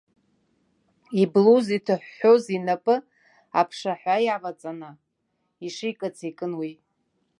Иблуз иҭыҳәҳәоз инапы, аԥшаҳәа иаваҵаны, ишикыц икын уи.